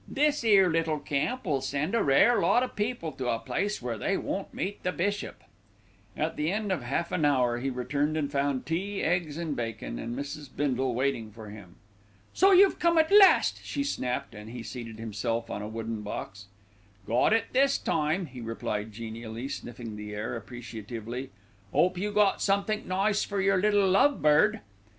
"This 'ere little camp'll send a rare lot o' people to a place where they won't meet the bishop." At the end of half an hour he returned and found tea, eggs and bacon, and Mrs. Bindle waiting for him. "So you've come at last," she snapped, as he seated himself on a wooden box. "Got it this time," he replied genially, sniffing the air appreciatively. "'Ope you got somethink nice for yer little love bird."